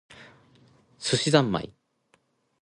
寿司ざんまい